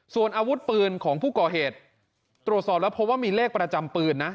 ส่วนอาวุธปืนของผู้ก่อเหตุตรวจสอบแล้วพบว่ามีเลขประจำปืนนะ